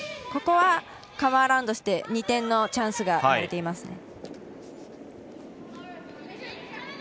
ここはカムアラウンドして２点のチャンスが生まれています。